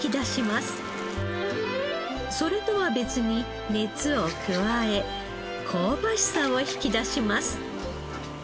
それとは別に熱を加え香ばしさを引き出します。